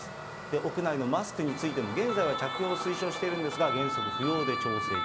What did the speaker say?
屋内のマスクについても、現在は着用を推奨しているんですが、原則不要で調整中。